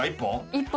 １本？